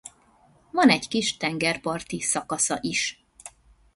Van egy kis tengerparti szakasza is.